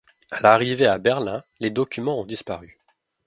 À l'arrivée à Berlin, les documents ont disparu.